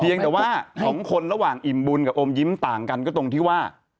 ยังแต่ว่าสองคนระหว่างอิ่มบุญกับอมยิ้มต่างกันก็ตรงที่ว่า